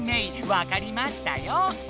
わかりましたよ！